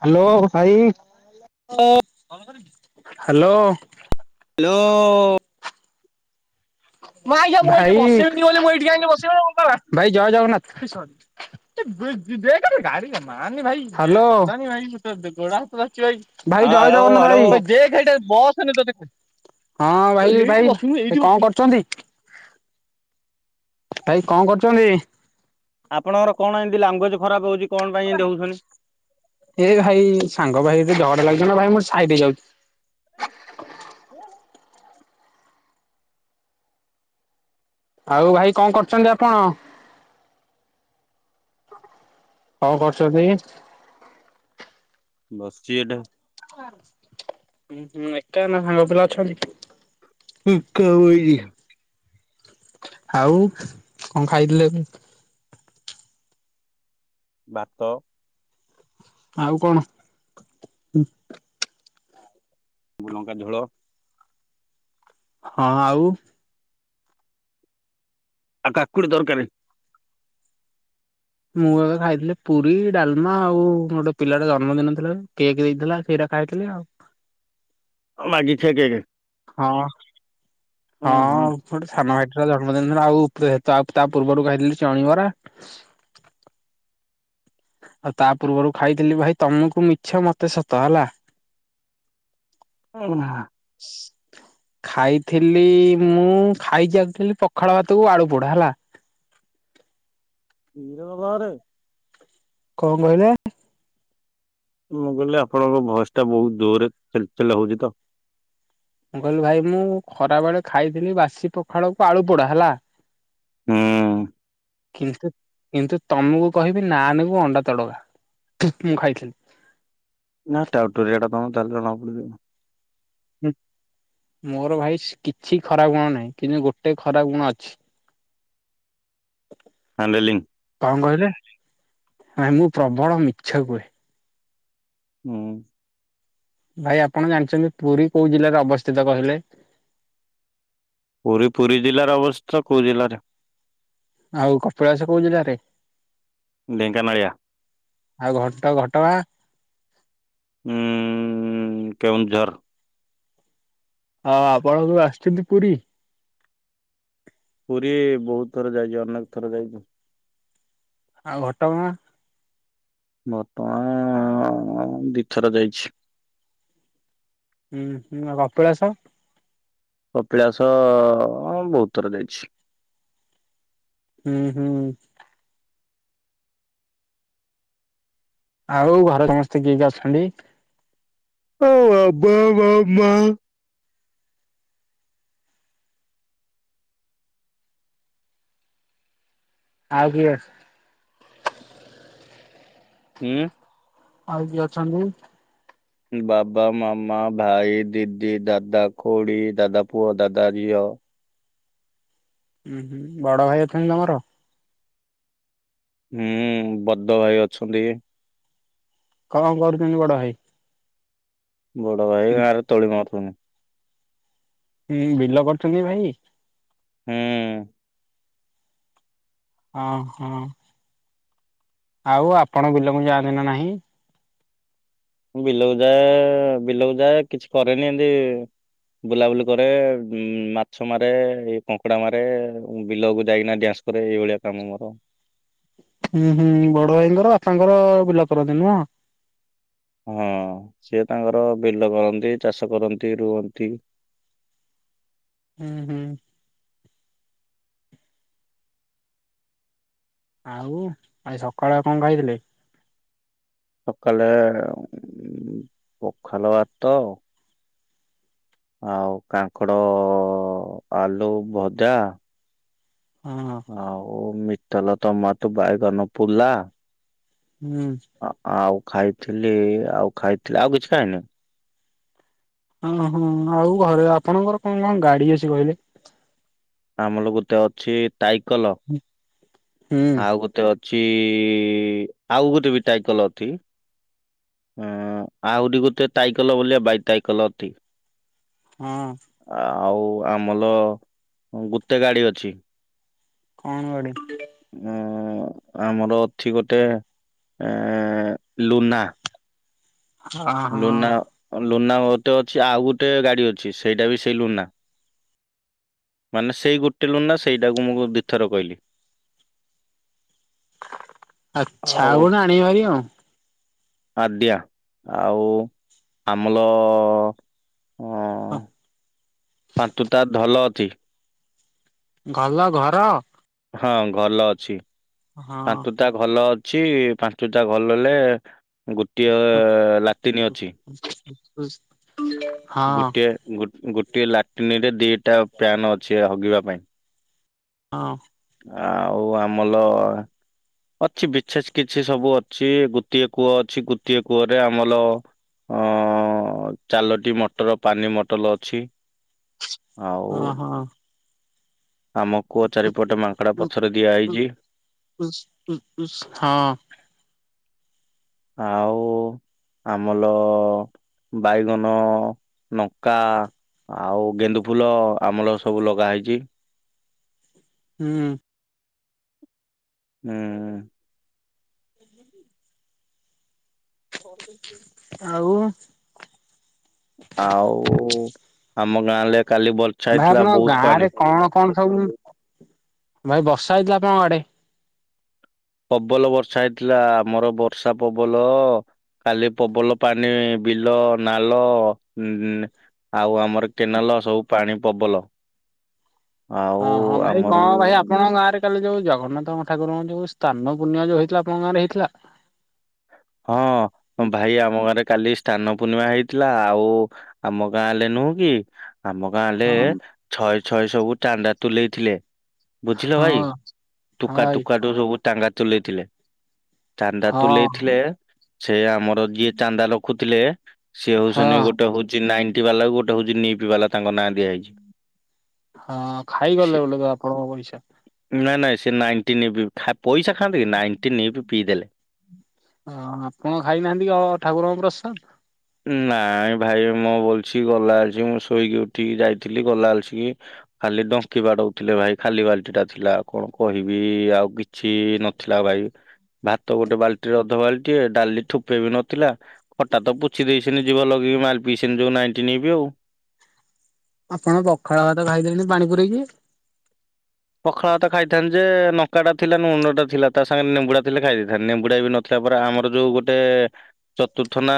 Hello ଭାଇ hello. Hello. Hello. ହଉ। ଭାଈ ଭାଇ ଜୟେ ଜଗନ୍ନାଥ। ହା ଲୋ। ଭାଇ ଜୟ ଜଗନ୍ନାଥ ହଁ ହ୍ୟାଲୋ ଭାଇ। ହ୍ୟାଲୋ ହଁ ଭାଇ ଭାଇ କଣ କରୁଛନ୍ତି। ଭାଇ ଙ୍କ କରୁଚନ୍ତି? ଆପଣଙ୍କର କ'ଣ ଏ ଲାଙ୍ଗୁଏଜ୍‌ ଖରାପ ହଉଚି। କ'ଣ ପାଇଁ ହଉ--ନ୍ତି? ଏ ଭାଇ, ସାଙ୍ଗ ଭାଇ ଝଗଡା ଲାଗି--ନ୍ତି। ଭାଇ ମୁଁ ସାଇଟି ହେଇଯାଉ। [inaudible] ଆଉ ଭାଇ କ'ଣ କରୁଚନ୍ତି ଆପଣ? ହ [unintelligible] କରୁଚନ୍ତି? ବସ୍‌ଚି ଏଠେ। ଏକା ନା ସାଙ୍ଗ ପିଲା ଅଛନ୍ତି? [inaudible] ଆଉ କ'ଣ ଖାଇଥିଲେ? ଭାତ। ଆଉ କଣ? ଝୋଳ। ହଁ! ଆଉ [inaudible] ମୁଁ ଖାଇଥିଲି ପୁରୀ, ଡାଲ୍‌ମା। ଆଉ ଗୋଟେ ପିଲା ଜନ୍ମଦିନ ଥିଲା, ଯେ କେକ୍ ଦେଇଥିଲା ସେଇ ଖାଇଥିଲି ଆଉ। [inaudible] [inaudible] ଉଁ ହୁଁ। ଜନ୍ମଦିନ, ଆଉ ତା' ପୂର୍ବରୁ ଖାଇଥିଲି ଚଣିବରା। ଆଉ ତା' ପୂର୍ବରୁ ଖାଇଥିଲି, ଭାଇ ତମୁକୁ ମିଛ ମତେ ସତ ଲା। [inaudible] [unintelligible] ଖାଇଥିଲି ମୁଁ, ଖାଇଚି ଆକ୍ଚୋଲି ପଖାଳ ଭାତକୁ ଆଳୁ ପୋଡ଼ା ହେଲା। [inaudible] ଙ୍କ କହିଲେ? ମୁଁ କହିଲି, ଆପଣଙ୍କ ଭଏସ୍‌ ଟା ବହୁତ୍ ଜୋରେ ଚେଲ୍ ଚେଲ୍ ହଉଚି ତ। କହି ଭାଇ, ମୁଁ ଖରା ବେଳେ ଖାଇଥିଲି, ବାସି ପଖାଳକୁ ଆଳୁ ପୋଡ଼ା ହେଲା। [inaudible] କିନ୍ତୁ ତମୁକୁ କହିବି, ନାନେ କୁ ଅଣ୍ଡା ତଡ଼କା ମୁଁ ଖାଇଥିଲି। ନା, ଟାଉଟୁରିଆ ଟା ତମେ ତା'ହେଲେ ଜଣା ପଡୁ ହଁ ମୋର ଭାଇ କିଛି ଖରାପ୍ ଗୁଣ ନାହିଁ, କିନ୍ତୁ ଗୋଟେ ଖରାପ୍ ଗୁଣ ଅଛି। [inaudible] [inaudible] ମୁଁ ପ୍ରବଳ ମିଛ କୁହେ। [inaudible] ଭାଇ ଆପଣ ଜାଣିଚନ୍ତି, ପୁରୀ କଉ ଜିଲ୍ଲାରେ ଅବସ୍ଥିତ କହିଲେ? ପୁରୀ, ପୁରୀ ଜିଲ୍ଲାରେ ଅବ---ତ। କଉ ଜିଲ୍ଲାରେ ଆଉ କପିଳାସ କଉ ଜିଲ୍ଲା ରେ ଢ଼େଙ୍କାନାଳିଆ। ଆଉ ଘଟ ଘଟଗାଁ କେଉଁଝର୍। ଆପଣ ଆସିଚନ୍ତି ପୁରୀ? ପୁରୀ ବହୁତ୍ ଥର ଯାଇଚି, ଅନେକ୍ ଥର ଯାଇଚି। ଆଉ ଘଟ ଗାଁ। ଦିଥର ଯାଇଛି। ଆ---କପିଳାସ କପିଳାସ ବହୁତ୍ ଥର ଯାଇଛି। [inaudible] ଆଉ ଘରେ ସମସ୍ତେ କିଏ କିଏ ଅଛନ୍ତି? ଓ ବାବା, ମାମା। ଆଉ କିଏ ଅଛ ଉଁ? ଆଉ କିଏ ଅଛନ୍ତି? ବାବା, ମାମା, ଭାଇ, ଦିଦି, ଦାଦା, ଖୁଡ଼ି, ଦାଦା ପୁଅ, ଦାଦା ଝିଅ। ଉଁ ହୁଁ ବଡ ଭାଇ ଅଛନ୍ତି ତମର? ହୁଁ ବଦ୍ଧ ଭାଇ ଅଛନ୍ତି। କଣ କରୁଛନ୍ତି ବଡ ଭାଇ? ବଡ ଭାଇ ଗାଁରେ ତୋଳି ମାରୁୁଚନ୍ତି। ହୁଁ ବିଲ କରୁଛନ୍ତି ଭାଇ? ହୁଁ। ଓହଁ ଆଉ ଆପଣ ବିଲକୁ ଯାଆନ୍ତି ନା ନାହିଁ। ବିଲକୁ ଯାଏ ବିଲକୁ ଯାଏ କିଛି କରେନି ଏମନ୍ତି ବୁଲାବୁଲି କରେ ଉ ମାଛ ମାରେ ଏଇ କଙ୍କଡା ମାରେ ବିଲକୁ ଯାଇକିନା ଡ୍ୟାନ୍ସ ମୋର ଏଇଭଳିଆ କାମ ମୋର। ହୁଁ ହୁଁ ବଡ ଭାଇଙ୍କର ବାପାଙ୍କର ବିଲ କରନ୍ତି ନୁହଁ। ହଁ ସିଏ ତାଙ୍କର ବିଲ କରନ୍ତି ଚାଷ କରନ୍ତି ରୁହନ୍ତି। ହୁଁ ହୁଁ। ଆଉ ଆଜି ସକାଳେ ଆଉ କଣ କହିଥିଲେ? ସକାଳେ ଉ ପଖାଲ ଭାତ ଆଉ କାଙ୍କଡ ଆଲୁ ଭଜା। ହଁ। ଆଉ ମିିତଲ ତମ ତୁ ବାଇଗନ ପଲା। ହୁଁ। ଆଉ ଖାଇଥିଲି ଆଉ ଖାଇଥିଲି ଆଉ କିଛି କାଇଁନି। ଓ ହୋ ଆଉ ଘରେ ଆପଣଙ୍କର କଣ କଣ ଗାଡି ଅଛି କହିଲେ ଆମର ଗୋଟେ ଅଛି ଟାଇକଲ। ହୁଁ। ଆଉ ଗୋଟେ ଅଛି ଆଉ ଗୋଟେ ବି ଟାଇକଲ ଅଛି। ହଁ ଆହୁରି ଗୋଟେ ସାଇକଲ ଭଳିଆ ବାଇ ତାଇ କଲ ଅଛି। ହଁ। ଆଉ ଆମର ଗୋଟେ ଗାଡି ଅଛି। କଣ ଗୁଡେ? ଅ ଆମର ଅଛି ଗୋଟେ ଲୁନା। ଲୁନା ହଁ ଲୁନା ମତେ ଅଛି ଆଉ ଗୋଟେ ଗାଡି ଅଛି ସେଇଟା ବି ସେଇ ଲୁନା। ମାନେ ସେଇ ଗୋଟେ ଲୁନା ସେଇଟାକୁ ମୁଁ ଦୁଇଥର କହିଲି। ଆଚ୍ଛା ଆଉ କଣ ଆଣେଇବାରି ଆଉ? ଆଦା ଆଉ ଆମର ହଁ ପାନ୍ତୁ ତ ଭଲ ଅଛି। ଭଲ ଘର। ହଁ ଘଲ ଅଛି। ହଁ ଭଲ ଅଛି ପାଞ୍ଚଟା ଭଲରେ ଗୋଟିଏ ଲାଟିନ ଅଛି। [unintelligible] ଗୋଟିଏ ଗୋଟିଏ ଲାଟନି ରେ ଦିଟା ପ୍ୟାନ ଅଛି ହଗିବା ପାଇଁ ହଁ। ଆଉ ଆମଲ ଅଛି ବିଛେସ କିଛି ସବୁ ଅଛି ଗୋଟିଏ କୂଅ ଅଛି ଗୋଟିଏ କୂଅରେ ଆମର ଅ ଚାଲୋଟି ମଟର ପାନି ମଟଲ ଅଛି। ଆଉ ଓଁ ହୋ। ଆମ କୁୁଅ ଚାରିପଟେ ମାଙ୍କଡା ପଥର ଦିଆହଇଛି। ହଁ। ଆଉ ଆମର ବାଇଗଣ। ନକା ଆଉ ଗେଣ୍ଡୁ ଫୁଲ ଆମଳ ସବୁ ଲଗା ହେଇଛି। ହୁଁ। ହୁଁ। ହ ଆଉ ଆଉ ଆମ ଗାଁଲେ କାଲି ବର୍ଷା ଭାଇ ହେଇଥିଲା ଆପଣଙ୍କ ବହୁତ ଗାଁ ରେ ପାଣି। କଣ କଣ ସବୁ ଭାଇ ବର୍ଷା ହେଇଥିଲା ଆପଣଙ୍କ ଆଡେ ପବଲ ବର୍ଷା ହେଇଥିଲା ଆମର ବର୍ଷା ପବଲ କାଲି ପବଲ ପାଣି ବିଲ ନାଲ ଉଁ ଆଉ ଆମର କେନାଲ ସବୁ ପାଣି ପବଲ। ହଁ ହଁ ଭାଇ ଆମର କଣ ଭାଇ ଆପଣଙ୍କ ଗାଁରେ ଆ କାଲି ଯୋଉ ଜଗନ୍ନାଥଙ୍କ ଠାରଙ୍କ ଯୋଉ ସ୍ଥାନ ପୁଣ୍ୟ ଯୋଉଇଥିଲା ଆପଙ୍କାଁରେ ହେଇଥିଲା? ହଁ ଭାଇ ଆମ ଘରେ କାଲି ସ୍ଥାନ ପୂର୍ଣ୍ଣିମା ହେଇଥିଲା ଆଉ ଆଉ ମ ଗାଁଲେ ହେଲେ ନୁହଁ କି? ଆମ ଗାଁରେ ହଁ ଛଏ ଛଏ ସବୁ ଚାନ୍ଦା ତୁଲେଇ ଥିଲେ। ବୁଝିଲ ହଁ ଭାଇ ହଁ ଟୁକା ଭାଇ ଟୁକା ଟୁ ସବୁ ଚାନ୍ଦା ତୁଲେଇଥିଲେ ଚାନ୍ଦା ହଁ ତୁଲେଇ ସେ ଆମର ଯିଏ ଚାନ୍ଦା ଲଖୁଥିଲେ ସିଏ ହଁ ହଉଛନ୍ତିନ ଗୋଟେ ହଉ। ନାଇଟି ବାଲା ଗୋଟେ ହଉଛି ନିପ ବାଲା ତାଙ୍କ ନାଁ ଦିଆଯାଇଛି। ହଁ ଖାଇଗଲେ ବୋଲେ ତ ଆପଣଙ୍କ ପଇସା। ନାଇଁ ନାଇଁ ସେ ନାଇନଟି ନିପ [unintelligible] ପଇସା ଖାଆନ୍ତେ କି ନାଇନଟି ନିପ ପିଇଦେଲେ। ହଁ ଆପଣ ଖାଇନାହାନ୍ତି ଅ ଠାକୁରଙ୍କ ପ୍ରସାଦ। ନାଇଁ ଭାଇ ମୁଁ ବଲଛି ଗଲା ଆଛି ମୁଁ ଶୋଇକି ଉଠିକି ଯାଇଥିଲି ଗଲା ଅଲସ କି ଖାଲି ଡଙ୍କି ବାଡଉଥିଲେ ଭାଇ ଖାଲି ବାଲଟି ଟା ଥିଲା କଣ କହିବି ଆଉ କିଛି କିଛି ନଥିଲା ଭାଇ। ଭାତ ଗୋଟେ ବାଲ୍ଟିରେ ଅଧ ବାଲ୍ଟିଏ ଡାଲି ଠୋପେ ବି ନଥିଲା ଖଟା ତ। କିଛି ଦେଇ ସେନ ଯିବା ଲଗିବି ମାଲ୍ପିସିନନ୍ ଯଉଁ ନାଇଣ୍ଟି ନେବି ଆଉ ଆପଣ ପଖାଳ ଭାତ ଖାଇଦେଲେଣି ପାଣି ପୁରେଇକି। ପଖାଳ ତ ଖାଇଥାନ୍ତି ଯେ ନକା ଟା ଥିଲା ନୁନ ଟା ଥିଲା ତା ସାଙ୍ଗରେ ନେମ୍ବୁଡା ଥିଲେ ଖାଇ ଦେଇଥାନ୍ତନ୍ତି ନେବୁଡା ବି ନ ଦେଖିଆ ପରେ ଆମର ଯୋଉ ଗୋଟେ ଚତୁର୍ଥ ନା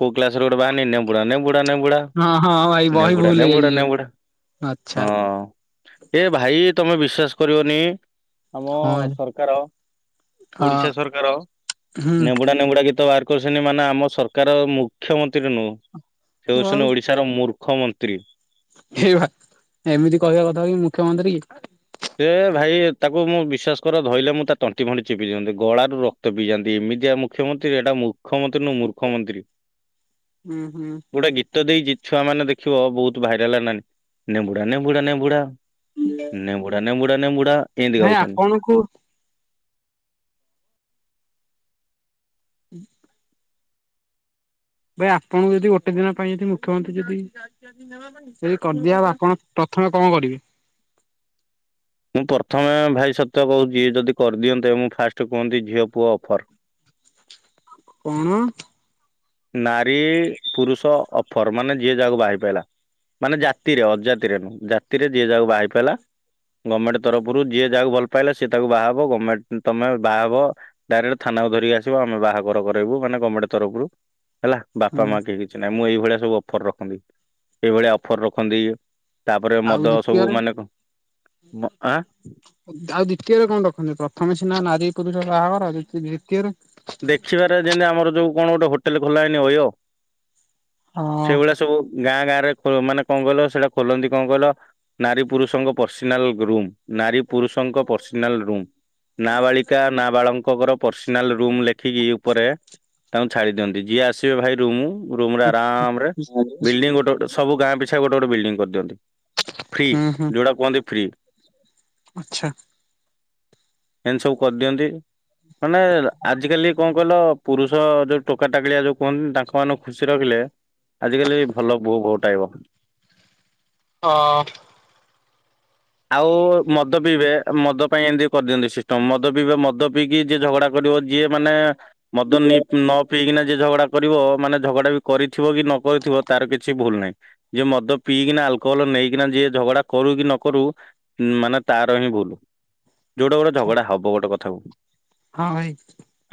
କୋ କ୍ଲାସ ଗୋଟେ ବାହାରିନି ନେବୁଡା ନେବୁଡା ନେବୁଡା ହଁ ହଁ ଭାଇ ବହି ନେଗୁଡା ଭୁଲ ନେଗୁଡା ହେଇଯାଇଛି ଯୋଉ ନେଗୁଡା ଆଚ୍ଛା ହଁ। ଏ ଭାଇ ତମେ ବିଶ୍ଵାସ କରିବନି ଆମ ହଁ ସରକାର ହଁ ଓଡିଶା ସରକାର ହୁଁ ନେବୁଡା ନେବୁଡା ଗୀତ ବାର କରିଛନ୍ତି ମାନେ ଆମ ସରକାର ମୁଖ୍ୟମନ୍ତ୍ରୀ ନୁହଁ ସେ ଆଉ ହଉଛନ୍ତି ଓଡି ଓଡ଼ିଶାର ମୂର୍ଖମନ୍ତ୍ରୀ। ଏଇ ବା ଏମିତି କହିବା କଥା କି ମୁଖ୍ୟମନ୍ତ୍ରୀ। ସେ ଭାଇ ତାକୁ ମୁଁ ବିଶ୍ୱାସ କର ଧଇଲେ ମୁଁ ତା ତଣ୍ଟି ଫଣ୍ଟି ଚିପି ଦିଅନ୍ତି ଗଳାରୁ ର ରକ୍ତ ପିଇ ଯାନ୍ତି ଏମିତିଆ ମୁଖ୍ୟମନ୍ତ୍ରୀ ଏଇଟା ମୁ ମୁଖ୍ୟମନ୍ତ୍ରୀ ନୁ ମୂର୍ଖ ମନ୍ତ୍ରୀ ହୁଁ ହୁଁ ଗୋଟେ ଗୀତ ତ ଦେଇଛି ଛୁଆମାନ ଦେଖିବ ବହୁତ ଭାଇରାଲ ହୋନି ନେବୁଡା ନେବୁଡା ନେବୁଡା। ନେବୁଡ଼ା ନେବୁଡ଼ା ନେବୁଡ଼ା। ଭାଇ ଆପଣଙ୍କୁ ହୁଁ ଭାଇ ଆପଣଙ୍କୁ ଯଦି ଗୋଟେ ଦିନ ପାଇଁ ଯଦି ମୁଖ୍ୟମନ୍ତ୍ରୀ ଯଦି ଯଦି କରି ଦିଆହବ ଆପଣ ପ୍ରଥମେ କଣ କରିବି? ମୁଁ ପ୍ରଥମେ ଭାଇ ସତ୍ୱ କହୁଛି ଯଦି କରିଦିଅନ୍ତେ ମୁଁ ଫାଷ୍ଟ କୁହନ୍ତି ଝିଅ ପୁଅ ଅଫର୍ କଣ? ନାରୀ ପୁରୁଷ ଅଫର ମାନେ ଯିଏ ଯାହାକୁ ବାହାହେଇ ପାଇଲା। ମାନେ ଜାତିରେ ଅଜାତିରେ ନୁ ଜାତିରେ ଯିଏ ଯାହାକୁ ବାହା ହେଇ ପାଇଲା। ଗୋର୍ମେଣ୍ଟ ତରଫରୁ ଯିଏ ଯାହାକୁ ଭଲ ପାଇଲା ସିଏ ତାକୁ ବାହାବ ଗର୍ମେଣ୍ଟ ତମେ ବାହାହବ। ଡାଇରେକ୍ଟ ଥାନାକୁ ଧରିକି ଆସିବ ଆମେ ବାହାଘର କରେଇବୁ ମାନେ ଗାର୍ମେଣ୍ଟ ତରଫରୁ ହେଲା ବାପା ମା କେହି କିଛି ନାଇଁ ମୁଁ ଏଇଭଳିଆ ସବୁ ଅଫର ରଖନ୍ତି ଏଇଭଳିଆ ଅଫର ରଖନ୍ତି। ତାପରେ ଆଉ ମଦ ସବୁ ଦ୍ଵିତୀୟରେ ମାନେ ଆଁ? ଆଉ ଦ୍ଵିତୀୟରେ କଣ ରଖନ୍ତି ପ୍ରଥମେ ସିନା ନାରୀ ପୁରୁଷ ବାହାଘର ଦ୍ଵିତୀୟରେ? କିଛିବାର ଯେମିତି ଆମର ଯେଉଁ କଣ ଗୋଟେ ହୋଟେଲ ଖୋଲା ହେଇନି ଅୟ ହଁ ସେଇଭଳିଆ ସବୁ ଗାଁ ଗାଁ ରେ ମାନେ କଣ କହିଲ ସେଇଟା ଖୋଲନ୍ତି କଣ କହିଲ? ନାରୀ ପୁରୁଷଙ୍କ ପର୍ସନାଲ ରୁମ୍ ନାରୀ ପୁରୁଷଙ୍କ ପର୍ସନାଲ ରୁମ୍। ନାବାଳିକା ନାବାଳଙ୍କର ପର୍ସନାଲ ରୁମ ଲେଖିକି ଉପରେ ତାଙ୍କୁ ଛାଡି ଦିଅନ୍ତି ଯିଏ ଆସିବେ ଭାଇ ରୁମ ରୁମ ରେ ଆରାମ ରେ ବିଲଡିଙ୍ଗ ଗୋଟେ ଗୋଟେ ସବୁ ଗାଁ ପିଛା ଗୋଟେ ଗୋଟେ ବିଲଡିଙ୍ଗ କରିଦିଅନ୍ତି। ଫ୍ରି ହୁଁ ହୁଁ ଯେଉଟା କୁହନ୍ତି ଫ୍ରି। ଆଚ୍ଛା। ଏମତି ସବୁ କରିଦିଅନ୍ତି ମାନେ ଆଜିକାଲି କଣ କହିଲ ପୁରୁଷ ଯୋଉ ଟୋକା ଟାକଳିଆ ଯୋଉ କୁହନ୍ତି ତାଙ୍କ ମାନେ ଖୁସି ରଖିଲେ। ଆଜିକାଲି ଭଲ ବୋଉ ବୋତ ଟାଇବ। ହଁ। ଆଉ ମଦ ପିଇବେ। ମଦ ପାଇଁ ଏମିତି କରିଦିଅନ୍ତି ସିଷ୍ଟମ ମଦ ପିଇ ମଦ ପିଇକି ଯିଏ ଝଗଡା କରିବ ଯିଏ ମାନେ ମଦ ନି ନ ପିଇକିନା ଯେ ଝଗଡା କରିବ ମାନେ ଝଗଡା ବି କରିଥିବ କି ନ କରିଥିବ ତାର କିଛି ଭୁଲ ନାହିଁ। ଯିଏ ମଦ ପିଇକିନା ଆଲକୋହଲ ନେଇକିନା ଯିଏ ଝଗଡା କରୁ କି ନ କରୁ। ଉମ ମାନେ ତାର ହିଁ ଭୁଲ ଯୋଉଟା ଗୋଟେ ଝଗଡା ହବ ଗୋଟେ କଥାକୁ। ହଁ ଭାଇ।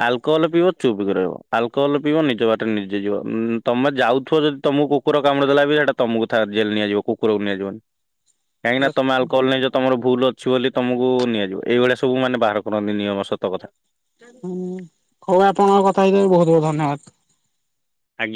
ଆଲକୋହଲ ପିବ ଚୁପିକ ରହିବ ଆଲକୋହଲ ପିଇବ ନିଜ ବାଟରେ ନିଜେ ଯିବ ତମେ ଯାଉଥିବ ଯଦି ତମକୁ କୁକୁର କାମୁଡି ଦେଲା ବି ଏଟା ତମକୁ ଜେଲ ନିଆଯିବ କୁକୁରକୁ ନିଆଯିବନି। [unintelligible] କହିଁକିନା ତମେ ଆଲକୋହଲ ନେଇଚ? ତମର ଭୁଲ ଅଛି ବୋଲି ତମକୁ ନିଆଯିବ ଏଇଭଳିଆ ସବୁ ମାନେ ବାହାର କରନ୍ତି ନିୟମ ସତ କଥା। ହୁଁ ହଉ ଆପଣଙ୍କ କଥା ଭିତରେ ବହୁତ ବହୁତ ଧନ୍ୟବାଦ। ଆଜ୍ଞା।